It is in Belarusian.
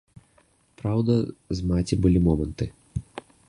Праўда, з маці былі моманты.